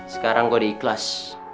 sekarang gue diikhlas